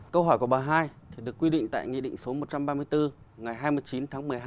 câu hỏi của bà hai được quy định tại nghị định số một trăm ba mươi bốn ngày hai mươi chín tháng một mươi hai